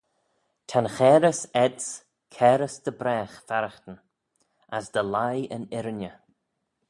Ta'n chairys ayds cairys dy bragh farraghtyn: as dty leigh yn irriney.